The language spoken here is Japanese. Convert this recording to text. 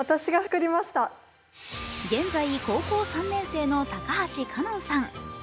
現在、高校３年生の高橋かのんさん。